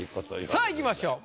さあいきましょう。